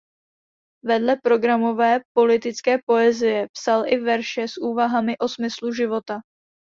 Vedle programové politické poezie psal i verše s úvahami o smyslu života.